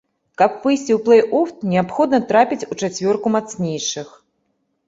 Каб выйсці ў плэй-оф, неабходна трапіць у чацвёрку мацнейшых.